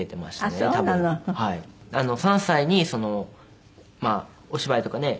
３歳にお芝居とかね